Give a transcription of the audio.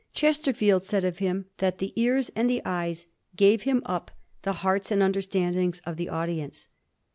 Chesterfield said of him that the ears and the eyes gave him up the hearts and understandings of the audience.